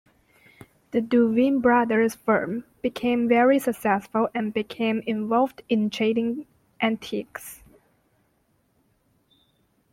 The Duveen Brothers firm became very successful and became involved in trading antiques.